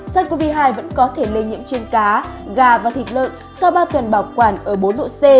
sars cov hai vẫn có thể lây nhiễm trên cá gà và thịt lợn sau ba tuần bảo quản ở bốn độ c